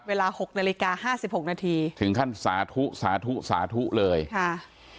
หกนาฬิกาห้าสิบหกนาทีถึงขั้นสาธุสาธุสาธุเลยค่ะ